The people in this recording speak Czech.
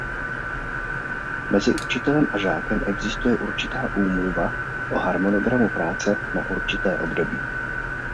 Mezi učitelem a žákem existuje určitá úmluva o harmonogramu práce na určité období.